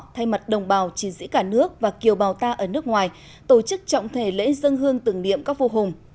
thay mặt đồng bào chiến dĩ cả nước và kiều bào ta ở nước ngoài tổ chức trọng thể lễ dân hương tưởng niệm các vô hùng